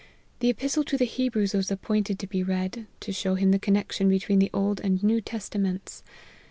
The Epistle to the Hebrews was appoint ed to be read, to show him the connexion between the Old and New Testaments.